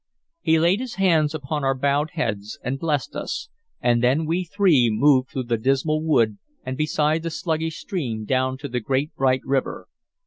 He laid his hands upon our bowed heads and blessed us, and then we three moved through the dismal wood and beside the sluggish stream down to the great bright river.